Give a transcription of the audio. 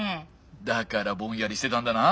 だからぼんやりしてたんだな。